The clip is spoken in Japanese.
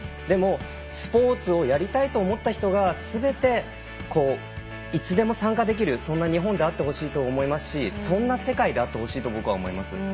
でもスポーツをやりたいと思った人がすべて、いつでも参加できるそんな日本であってほしいと思いますしそんな世界であってほしいと僕は思います。